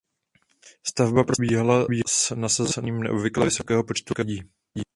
Stavba probíhala s nasazením neobvykle vysokého počtu lidí.